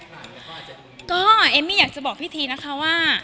อเรนนี่ก็แอมมี่อยากจะบอกพี่ทีนะคะว่า